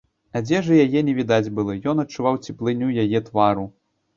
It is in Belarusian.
Адзежы яе не відаць было, ён адчуваў цеплыню яе твару.